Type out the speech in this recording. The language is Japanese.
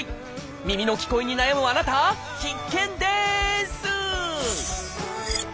耳の聞こえに悩むあなた必見です！